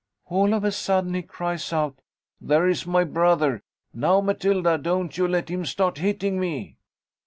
All of a sudden he cries out, 'There is my brother! Now, Matilda, don't you let him start hitting me.'